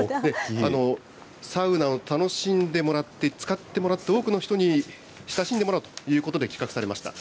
サウナを楽しんでもらって、使ってもらって、多くの人に親しんでもらおうということで企画されました。